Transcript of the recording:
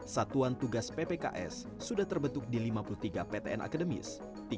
satuan tugas ppks sudah terbentuk di lima puluh tiga ptn akademis